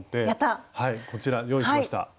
はいこちら用意しました。